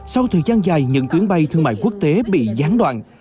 sau thời gian dài những chuyến bay thương mại quốc tế bị gián đoạn